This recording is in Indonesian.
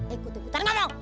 ikutin putar mama lo